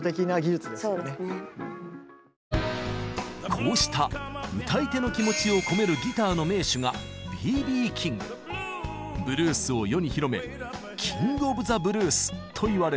こうした歌い手の気持ちを込めるギターの名手がブルースを世に広めキング・オブ・ザ・ブルースといわれています。